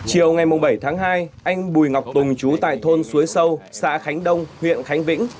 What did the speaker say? chiều ngày bảy tháng hai anh bùi ngọc tùng chú tại thôn suối sâu xã khánh đông huyện khánh vĩnh